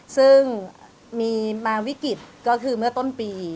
ซึ่งมีบางวิกฤตก็คือเมื่อต้นปี